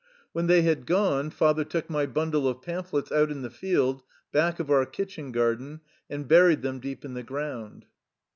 When they had gone, father took my bundle of pamphlets out in the field, back of our kitchen garden, and buried them deep in the ground.